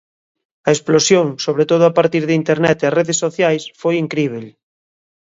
A explosión, sobre todo a partir de internet e as redes sociais, foi incríbel.